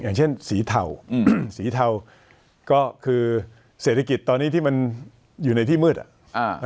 อย่างเช่นสีเทาอืมสีเทาก็คือเศรษฐกิจตอนนี้ที่มันอยู่ในที่มืดอ่ะอ่า